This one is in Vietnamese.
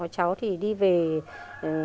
cháu thì đi về khói